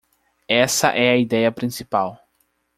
Essa é a ideia principal.